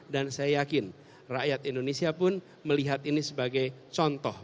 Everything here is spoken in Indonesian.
dan saya yakin rakyat indonesia pun melihat ini sebagai contoh